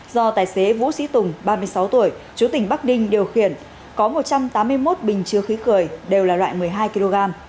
do tài xế vũ sĩ tùng ba mươi sáu tuổi chú tỉnh bắc ninh điều khiển có một trăm tám mươi một bình chứa khí cười đều là loại một mươi hai kg